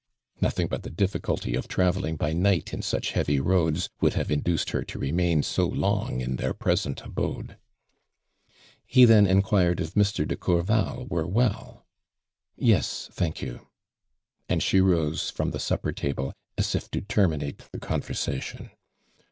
Nothing but the difficul ty of travelling by night in such heavy i oads would have induced her to remain so long in their present abode He then enquired if Mr. de Courval were well. "Yes, thank you," and she ruse from the supper table as if to terminate the con versation.